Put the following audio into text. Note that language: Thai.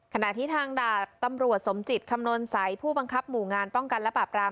ขณะที่ทางดาบตำรวจสมจิตคำนวณใสผู้บังคับหมู่งานป้องกันและปราบราม